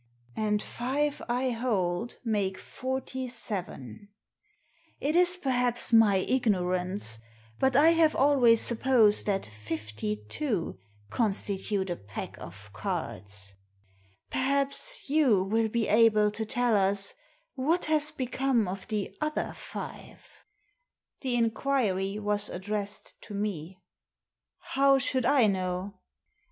" And five I hold make forty seven. It is perhaps Digitized by VjOOQIC 74 THE SEEN AND THE UNSEEN my ignorance, but I have always supposed that fifty two constitute a pack of cards. Perhaps you will be able to tell us what has become of the other five ?" The inquiry was addressed to me, "How should I know?"